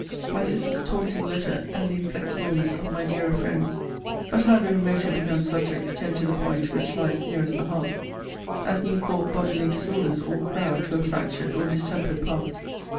My sister's taunting letter, and the inflexibleness of my dearer friends But how do remoter begun subjects tend to the point which lies nearest the heart! As new caught bodily disorders all crowd to a fractured or distempered part.